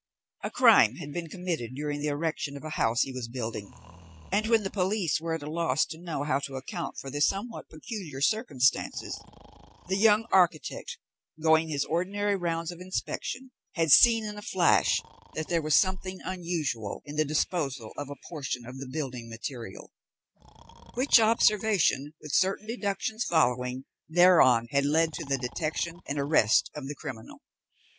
A crime had been committed during the erection of a house he was building, and, when the police were at a loss to know how to account for the somewhat peculiar circumstances, the young architect, going his ordinary rounds of inspection, had seen in a flash that there was something unusual in the disposal of a portion of the building material; which observation, with certain deductions following thereon, had led to the detection and arrest of the criminal.